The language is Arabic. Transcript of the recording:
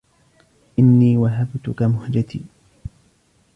إني وهبتك مهجتي